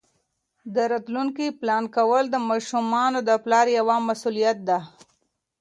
د راتلونکي پلان کول د ماشومانو د پلار یوه مسؤلیت ده.